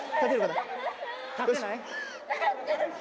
立てない？